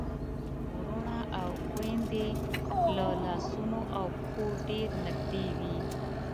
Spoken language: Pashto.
وروڼه او خويندې له لاسونو او پښو ډېر نږدې وي.